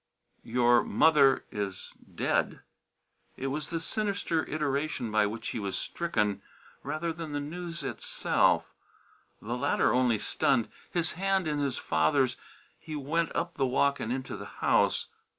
"Your mother is dead." It was the sinister iteration by which he was stricken, rather than the news itself. The latter only stunned. His hand in his father's, he went up the walk and into the house.